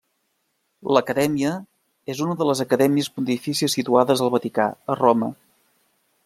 L'acadèmia és una de les Acadèmies Pontifícies situades al Vaticà, a Roma.